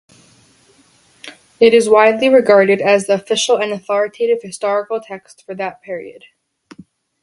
It is widely regarded as the official and authoritative historical text for that period.